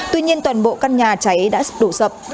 tuy nhiên toàn bộ căn nhà cháy đã đổ sập